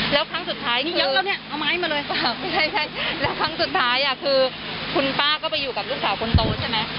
แล้วครั้งสุดท้ายคือแล้วครั้งสุดท้ายคือคุณป้าก็ไปอยู่กับลูกสาวคนโตใช่ไหม